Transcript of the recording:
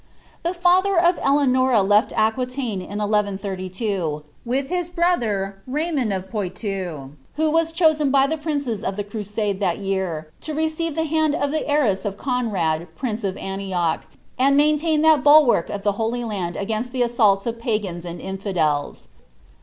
The fiither of Eleanora left Aquitaine in 1132, with his younger bro ther, Raymond of Poitou, who was chosen by the princes of the cru sade that year to receive the hand of the heiress of Conrad prince of Antioch, and maintain that bulwark of the Holy Land against the assaults of pagans and infidels.